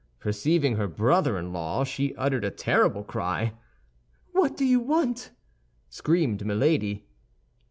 Perceiving her brother in law, she uttered a terrible cry. "What do you want?" screamed Milady.